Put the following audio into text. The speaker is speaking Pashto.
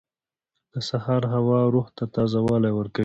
• د سهار هوا روح ته تازه والی ورکوي.